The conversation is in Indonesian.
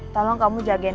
tolong kamu jagain